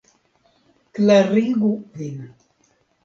Klarigu vin.